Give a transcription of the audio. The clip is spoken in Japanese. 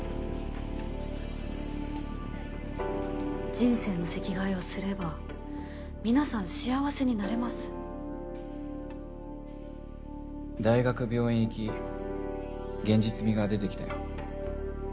人生の席替えをすればみなさん幸せにな大学病院行き現実味が出てきたよ